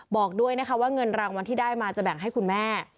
บอกด้วยนะคะว่าเงินรางวัลที่ได้มาจะแบ่งให้คุณแม่